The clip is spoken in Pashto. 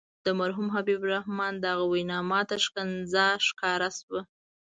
د مرحوم حبیب الرحمن دغه وینا ماته ښکنځا ښکاره شوه.